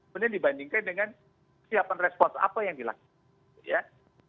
mending dibandingkan dengan siapan respons apa yang dilakukan